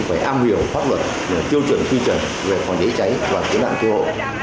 phải am hiểu pháp luật tiêu chuẩn quy trình về phòng cháy cháy và tiến đoạn thu hộ